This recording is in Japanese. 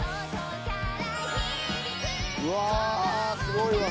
うわぁすごいわ。